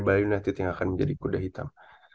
bali united yang akan menjadi kuda hitam